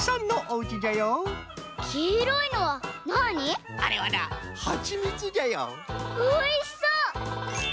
おいしそう！